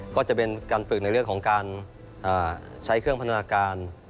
ก็จะเป็นการฝึกในเรื่องของการใช้เครื่องพัฒนาการ